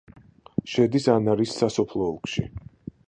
შედის ანარის სასოფლო ოლქში.